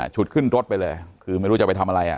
ฉุดขึ้นรถไปเลยคือไม่รู้จะไปทำอะไร